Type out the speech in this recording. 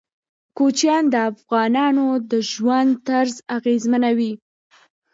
کوچیان د افغانانو د ژوند طرز اغېزمنوي.